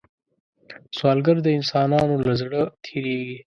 سوالګر د انسانانو له زړه تېرېږي